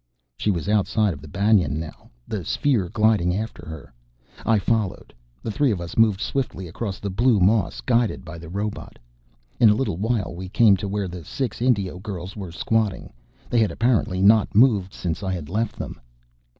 She was outside of the banyan now, the sphere gliding after her. I followed. The three of us moved swiftly across the blue moss, guided by the robot. In a little while we came to where the six Indio girls were squatting. They had apparently not moved since I had left them.